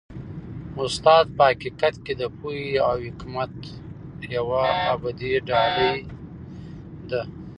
استاد په حقیقت کي د پوهې او حکمت یوه ابدي ډالۍ ده.